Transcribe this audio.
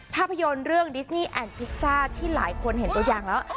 ภาพยนตร์เรื่องดิสนี่แอนดพิซซ่าที่หลายคนเห็นตัวอย่างแล้ว